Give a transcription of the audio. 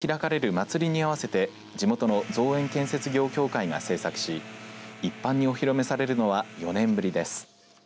巨大地上絵は秋に開かれる祭に合わせて地元の造園建設業協会が製作し一般にお披露目されるのは４年ぶりです。